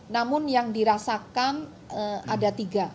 namun yang dirasakan ada tiga